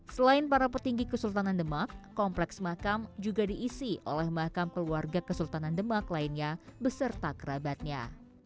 selain para petinggi kesultanan demak kompleks makam juga diisi oleh makam keluarga kesultanan demak lainnya beserta kerabatnya